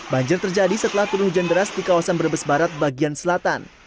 banjir terjadi setelah turun hujan deras di kawasan brebes barat bagian selatan